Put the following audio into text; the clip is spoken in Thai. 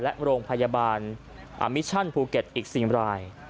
และโรงพยาบาลอามิชั่นภูเก็ตอีก๔ราย